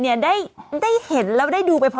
กรมป้องกันแล้วก็บรรเทาสาธารณภัยนะคะ